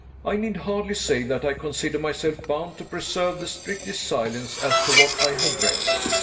I need hardly say that I consider myself bound to preserve the strictest silence as to what I have read.